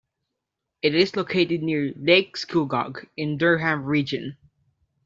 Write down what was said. It is located near Lake Scugog in Durham Region.